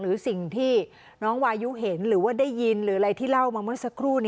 หรือสิ่งที่น้องวายุเห็นหรือว่าได้ยินหรืออะไรที่เล่ามาเมื่อสักครู่